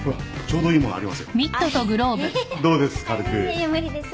どうです？